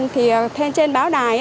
thì trên báo đài